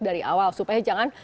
dari awal supaya jangan